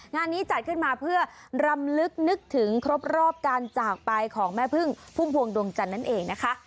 งานนี้จัดขึ้นมาเพื่อรำลึกนึกถึงครบรอบการจากไปของแม่พึ่งพุ่มพวงดวงจันทร์นั่นเองนะคะ